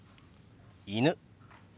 「犬」。